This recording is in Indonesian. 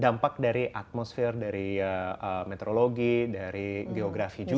dampak dari atmosfer dari meteorologi dari geografi juga